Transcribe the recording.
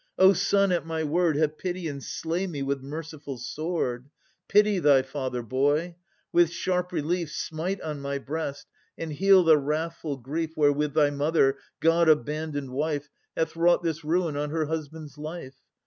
O son, at my word Have pity and slay me with merciful sword! Pity thy father, boy; with sharp relief Smite on my breast, and heal the wrathful grief Wherewith thy mother, God abandoned wife, Hath wrought this ruin on her husband's life.